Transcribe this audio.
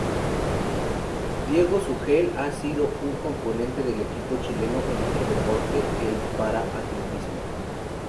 Diego Seguel ha sido un componente del equipo chileno en otro deporte, el para-atletismo.